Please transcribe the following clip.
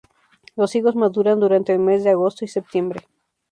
Los higos maduran durante el mes de agosto y septiembre.